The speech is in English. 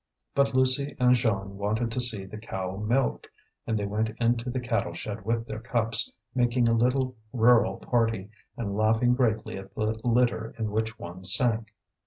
But Lucie and Jeanne wanted to see the cow milked, and they went into the cattle shed with their cups, making a little rural party, and laughing greatly at the litter in which one sank.